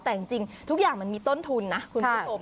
แต่จริงทุกอย่างมันมีต้นทุนนะคุณผู้ชม